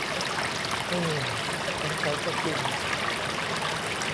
อืม สงสัยจะจริง